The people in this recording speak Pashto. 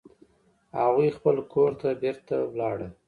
هغوی خپل کور ته بیرته ولاړل